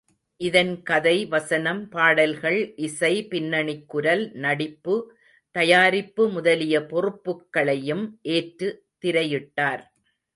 இதன் கதை, வசனம், பாடல்கள், இசை, பின்னணிக்குரல், நடிப்பு, தயாரிப்பு முதலிய பொறுப்புக்களையும் ஏற்று திரையிட்டார்.